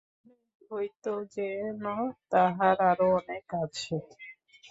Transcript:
মনে হইত যেন তাঁহার আরো অনেক আছে।